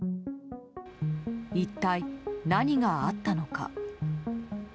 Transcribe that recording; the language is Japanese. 一体何があったのか。